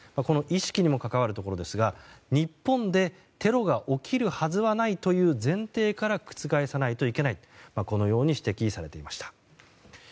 意識にも関わるところですが日本でテロが起きるはずはないという前提から覆さないといけないと指摘されていました。